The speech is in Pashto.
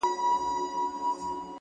• بوډا ویل په دې قلا کي به سازونه کېدل,